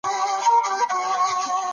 دغسي اړيکي د ګټي پرځای تاوانونه لري.